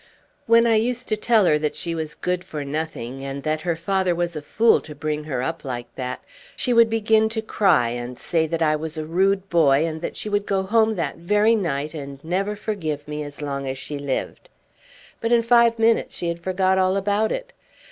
When I used to tell her that she was good for nothing, and that her father was a fool to bring her up like that, she would begin to cry, and say that I was a rude boy, and that she would go home that very night, and never forgive me as long as she lived. But in five minutes she had forgot all about it.